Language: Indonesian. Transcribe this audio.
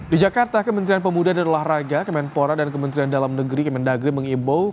di jakarta kementerian pemuda dan olahraga kementerian pora dan kementerian dalam negeri kementerian dagri mengimbau